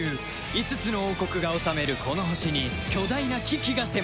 ５つの王国が治めるこの星に巨大な危機が迫っている